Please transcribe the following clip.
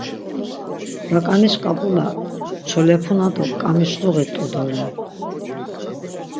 Raǩaniş ǩap̌ula çolepuna do ǩamişluği t̆u doren.